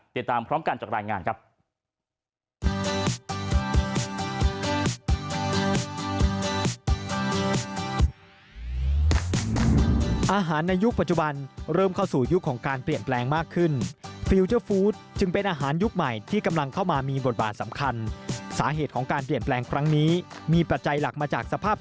ติดตามพร้อมกันจากรายงานครับ